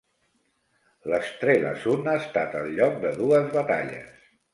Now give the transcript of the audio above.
L'Strelasund ha estat el lloc de dues batalles.